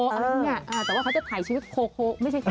แต่ว่าเขาจะถ่ายชีวิตโคโค